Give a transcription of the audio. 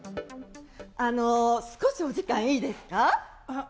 少しお時間いいですか？